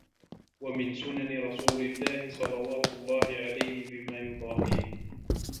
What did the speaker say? وَمِنْ سُنَنِ رَسُولِ اللَّهِ صَلَوَاتُ اللَّهِ عَلَيْهِ بِمَا يُضَاهِيهِ